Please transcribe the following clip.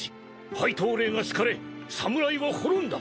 廃刀令が敷かれ侍は滅んだ。